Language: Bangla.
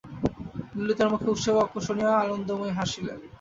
ললিতার মুখে উষ্ণবাক্য শুনিয়া আনন্দময়ী হাসিলেন।